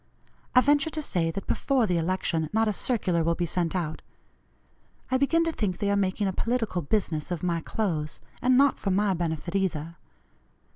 I venture to say, that before the election not a circular will be sent out. I begin to think they are making a political business of my clothes, and not for my benefit either.